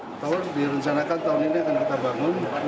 menara baru di rencanakan tahun ini akan kita bangun